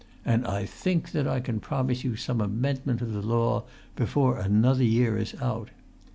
And I think that I can promise you some amendment of the law before another year is out.